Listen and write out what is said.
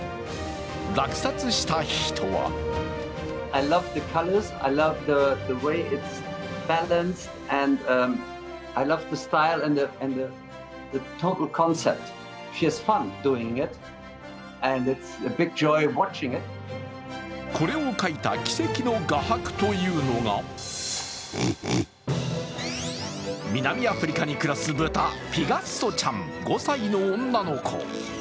落札した人はこれを描いた軌跡の画伯というのが南アフリカに暮らす豚ピガッソちゃん５歳の女の子。